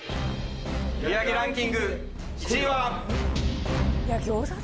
売り上げランキング１位は。